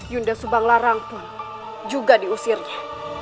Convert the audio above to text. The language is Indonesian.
yunda subanglarang pun juga diusirnya